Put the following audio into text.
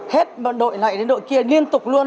hết đội lại đến đội kia liên tục luôn